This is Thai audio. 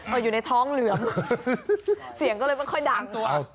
เอาอยู่ในท้องเหลือมเสียงก็เลยมันค่อยดัง